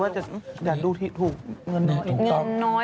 หวังว่าจะดูที่ถูกเงินน้อย